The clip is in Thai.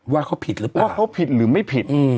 ว่าเขาผิดหรือเปล่าว่าเขาผิดหรือไม่ผิด